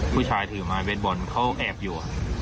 ผู้ชายถือไม้เบสบอลเขาแอบอยู่